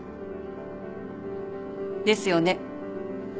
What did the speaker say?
ですよね？